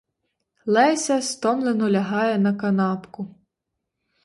Леся стомлено лягає на канапку.